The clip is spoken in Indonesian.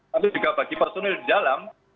tapi juga bagi personil di dalam